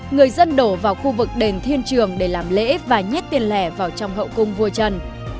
người dân đổ vào khu vực đền thiên trường để làm lễ và nhét tiền lẻ vào trong hậu cung vua trần